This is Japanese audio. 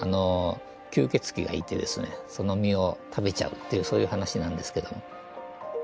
吸血鬼がいてですねその実を食べちゃうっていうそういう話なんですけど。